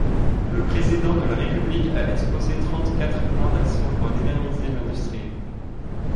Le Président de la République a exposé trente-quatre plans d’actions pour dynamiser l’industrie.